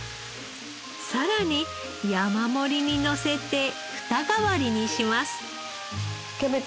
さらに山盛りにのせてフタ代わりにします。